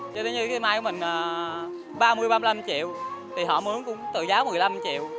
cho đến như cây mai của mình là ba mươi ba mươi năm triệu thì họ mướn cũng tự giá một mươi năm triệu